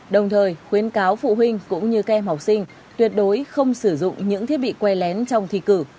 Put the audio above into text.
đồng thời khuyến cáo phụ huynh cũng như các em học sinh tuyệt đối không sử dụng những thiết bị quay lén trong thi cử